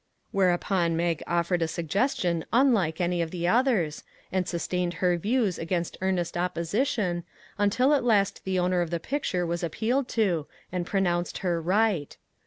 Whereupon Mag offered a suggestion unlike any of the others, and sustained her views against earnest opposition, until at last the owner of the picture was appealed to, and pro nounced her right.